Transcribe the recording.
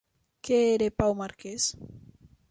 Què era Pau Marquès?